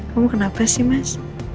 kamu kenapa sih mas